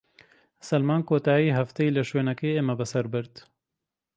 سەلمان کۆتاییی هەفتەی لە شوێنەکەی ئێمە بەسەر برد.